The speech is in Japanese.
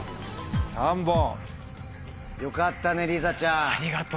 よかったねりさちゃん。